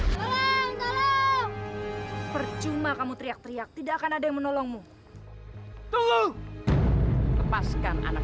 tolong tolong percuma kamu teriak teriak tidak akan ada yang menolongmu tunggu lepaskan anak